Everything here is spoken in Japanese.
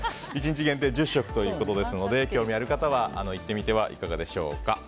１日限定１０食ということですので興味ある方は行ってみてはいかがでしょうか。